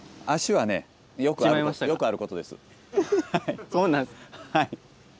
はい。